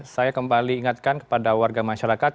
saya kembali ingatkan kepada warga masyarakat